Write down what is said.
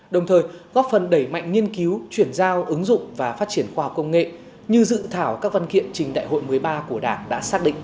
đồng thời góp phần đẩy mạnh nghiên cứu chuyển giao ứng dụng và phát triển khoa học công nghệ như dự thảo các văn kiện trình đại hội một mươi ba của đảng đã xác định